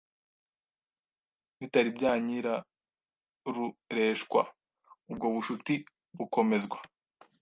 bitari byanyirarureshwa. Ubwo bucuti bukomezwa